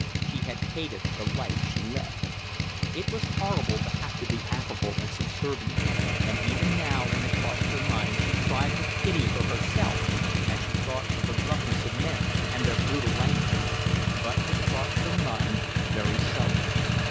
She had hated the life she led. It was horrible to have to be affable and subservient; and even now when it crossed her mind she cried with pity for herself as she thought of the roughness of men and their brutal language. But it crossed her mind very seldom.